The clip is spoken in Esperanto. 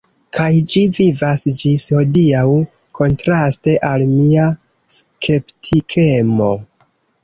Kaj ĝi vivas ĝis hodiaŭ, kontraste al mia skeptikemo.